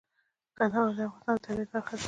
کندهار د افغانستان د طبیعت برخه ده.